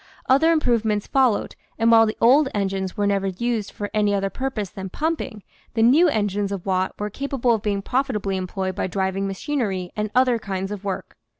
Other improvements followed, and while the old engines were never used for any other purpose than pumping, the new engines of Watt were capable of being profitably employed for driving machinery and other kinds of work.